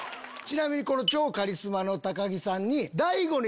ちなみに超カリスマの木さんに。